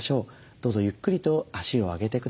どうぞゆっくりと足を上げてください。